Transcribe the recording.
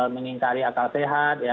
menyingkari akal sehat